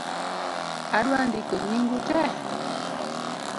Adwa ndiko nying'u tee